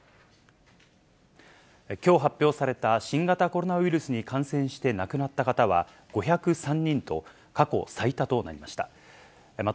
きょう発表された、新型コロナウイルスに感染して亡くなった方は５０３人と、過去最多となりました。